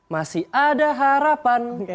masih ada harapan